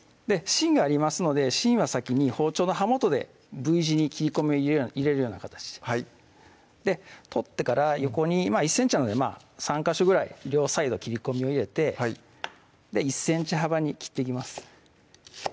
芯がありますので芯は先に包丁の刃元でＶ字に切り込みを入れるような形はい取ってから横に１ｃｍなので３ヵ所ぐらい両サイド切り込みを入れて１ｃｍ幅に切っていきます